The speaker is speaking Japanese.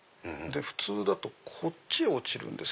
普通だとこっちへ落ちるんです。